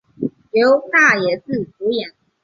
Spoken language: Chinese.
由大野智主演。